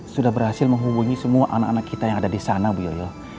sudah berhasil menghubungi semua anak anak kita yang ada di sana bu yoyo